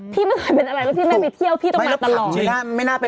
ที่ไม่เคยเป็นอะไรแล้วที่ไม่ไปเที่ยวที่ตามวัดตลอดไม่น่าเป็น